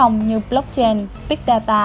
như blockchain big data